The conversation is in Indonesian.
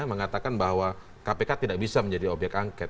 yang mengatakan bahwa kpk tidak bisa menjadi obyek angket